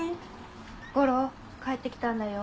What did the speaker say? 吾良帰ってきたんだよ。